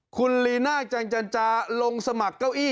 คุณลีน่าจังจันจาลงสมัครเก้าอี้